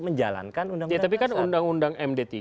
menjalankan undang undang dasar tapi kan undang undang md tiga